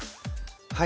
はい。